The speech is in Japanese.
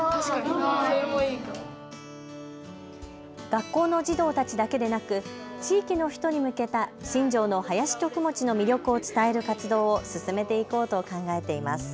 学校の児童たちだけでなく地域の人に向けた新城の囃子曲持の魅力を伝える活動を進めていこうと考えています。